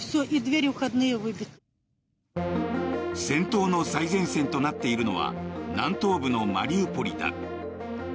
戦闘の最前線となっているのは南東部のマリウポリだ。